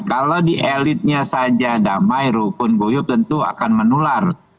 kalau di elitnya saja damai rukun guyup tentu akan menular